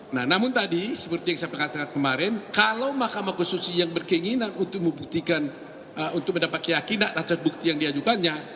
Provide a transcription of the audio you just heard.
nah namun tadi seperti yang saya katakan kemarin kalau mahkamah konstitusi yang berkeinginan untuk membuktikan untuk mendapat keyakinan atas bukti yang diajukannya